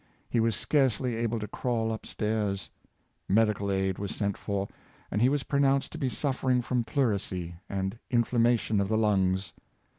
He was scarcely able to crawl up stairs. Medical aid was sent for, and he was pronounced to be suffering from pleurisy and in flammation of the lungs.